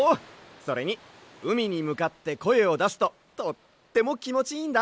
それにうみにむかってこえをだすととってもきもちいいんだ！